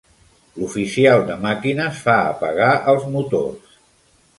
L'oficial de màquines fa apagar els motors.